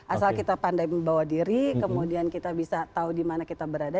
asal kita pandai membawa diri kemudian kita bisa tahu di mana kita berada